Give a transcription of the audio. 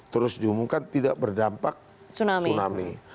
terus diumumkan tidak berdampak tsunami